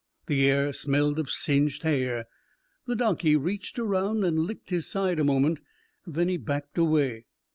The air smelled of singed hair. The donkey reached around and licked his side a moment, then he backed away.